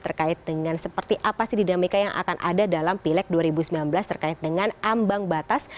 terkait dengan seperti apa sih dinamika yang akan ada dalam pileg dua ribu sembilan belas terkait dengan ambang batas